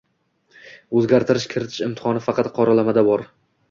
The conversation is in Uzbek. Oʻzgaritirish kiritish imkoni faqat qoralamada bor